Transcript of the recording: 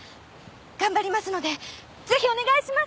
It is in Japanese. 頑張りますのでぜひお願いします！